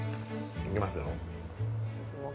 行きますよ。